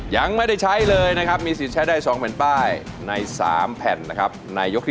ยังไม่ต้องวิเคราะห์หน้าน้อยน่าขอวิเคราะห์หน้าน้อยน่าขอวิเคราะห์หน้าน้อยน่าขอวิเคราะห์หน้าน้อยน่า